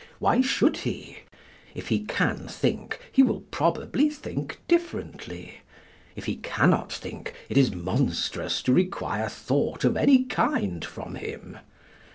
Why should he? If he can think, he will probably think differently. If he cannot think, it is monstrous to require thought of any kind from him.